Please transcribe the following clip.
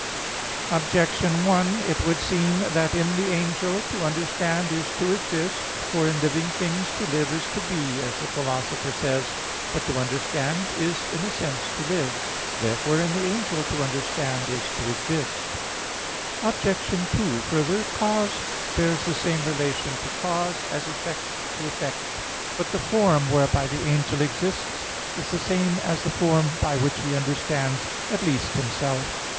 Objection 1: It would seem that in the angel to understand is to exist. For in living things to live is to be, as the Philosopher says (De Anima ii, text. 37). But to "understand is in a sense to live" (De Anima ii, text. 37). Therefore in the angel to understand is to exist. Obj. 2: Further, cause bears the same relation to cause, as effect to effect. But the form whereby the angel exists is the same as the form by which he understands at least himself.